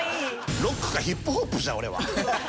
ロックかヒップホップじゃ俺は！